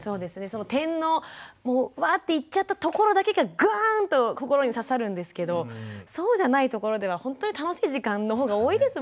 その点のもうワッて言っちゃったところだけがグーンと心に刺さるんですけどそうじゃないところではほんとに楽しい時間のほうが多いですもんね。